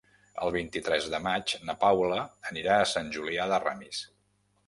El vint-i-tres de maig na Paula anirà a Sant Julià de Ramis.